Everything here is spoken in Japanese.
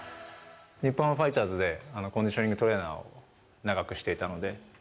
日本ハムファイターズで、コンディショニングトレーナーを長くしていたので。